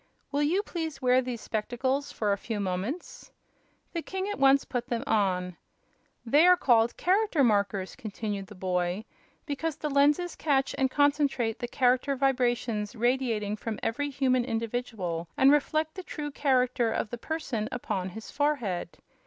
Will you please wear these spectacles for a few moments?" The king at once put them on. "They are called Character Markers," continued the boy, "because the lenses catch and concentrate the character vibrations radiating from every human individual and reflect the true character of the person upon his forehead.